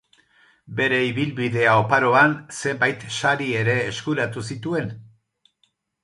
Bere ibilbidea oparoan zenbait sari ere eskuratu zituen.